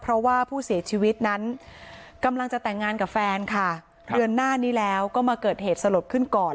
เพราะว่าผู้เสียชีวิตนั้นกำลังจะแต่งงานกับแฟนค่ะเดือนหน้านี้แล้วก็มาเกิดเหตุสลดขึ้นก่อน